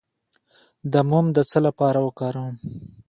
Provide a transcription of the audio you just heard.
د موم د څه لپاره وکاروم؟